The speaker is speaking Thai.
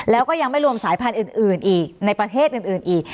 แล้วก็ยังไม่รวมสายพันธุ์อื่นอีกในประเทศอื่นอีก